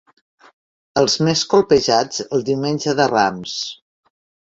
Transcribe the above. Els més colpejats el Diumenge de Rams.